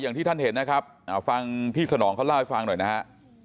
อย่างที่ท่านเห็นนะครับฟังพี่สนองเขาเล่าให้ฟังหน่อยนะฮะ